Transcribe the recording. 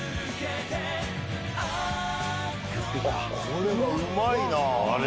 これはうまいなあ。